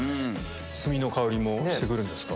炭の香りもしてくるんですか？